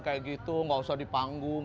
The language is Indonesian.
kayak gitu gak usah di panggung